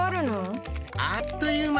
あっという間。